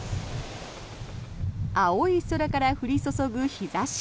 青い空から降り注ぐ日差し。